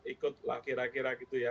ikutlah kira kira gitu ya